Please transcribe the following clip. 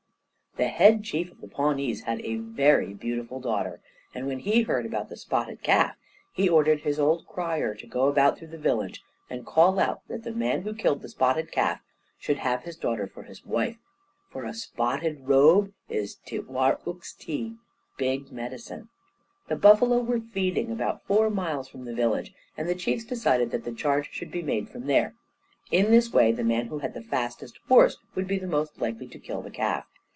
The Head Chief of the Pawnees had a very beautiful daughter, and when he heard about the spotted calf, he ordered his old crier to go about through the village and call out that the man who killed the spotted calf should have his daughter for his wife. For a spotted robe is ti war' uks ti big medicine. The buffalo were feeding about four miles from the village, and the chiefs decided that the charge should be made from there. In this way, the man who had the fastest horse would be the most likely to kill the calf.